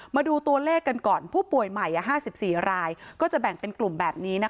มาดูตัวเลขกันก่อนผู้ป่วยใหม่๕๔รายก็จะแบ่งเป็นกลุ่มแบบนี้